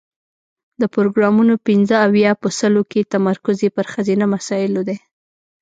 د پروګرامونو پنځه اویا په سلو کې تمرکز یې پر ښځینه مسایلو دی.